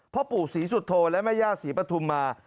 พ่อปู่ศรีสุโธและแม่ย่าศรีปฐุมมา